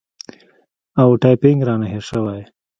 او ټایپینګ رانه هېر شوی